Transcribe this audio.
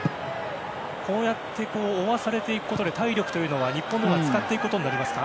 こうやって追わされていくことで体力は、日本のほうが使っていくことになりますか？